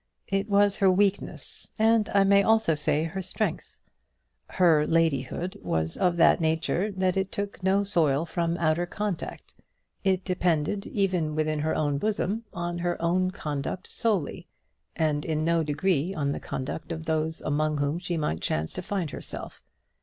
It was her weakness, and I may also say her strength. Her ladyhood was of that nature that it took no soil from outer contact. It depended, even within her own bosom, on her own conduct solely, and in no degree on the conduct of those among whom she might chance to find herself.